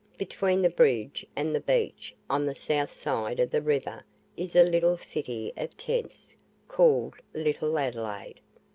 Between the bridge and the beach, on the south side of the river, is a little city of tents, called Little Adelaide.